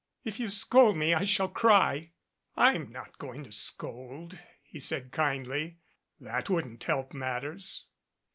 "If you scold me I shall cry." "I'm not going to scold," he said kindly. "That wouldn't help matters."